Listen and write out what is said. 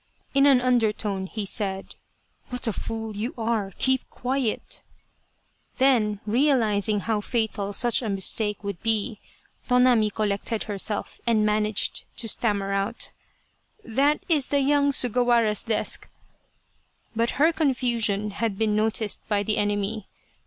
In an undertone, he said :" What a fool you are ! Keep quiet !" Then, realizing how fatal such a mistake would be Tonami collected herself and managed to 205 Loyal, Even Unto Death stammer out. " That is the young Sugawara's desk !" But her confusion had been noticed by the enemy.